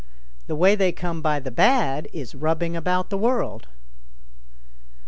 The way they come by the bad is rubbing about the world."